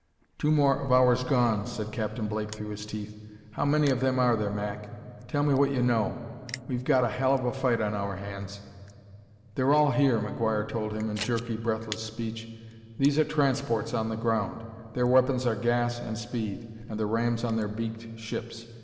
"Two more of ours gone," said Captain Blake through set teeth. "How many of them are there, Mac? Tell me what you know: we've got a hell of a fight on our hands." "They're all here," McGuire told him, in jerky, breathless speech. "These are transports on the ground. Their weapons are gas and speed, and the rams on their beaked ships.